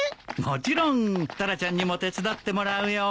もちろんタラちゃんにも手伝ってもらうよ。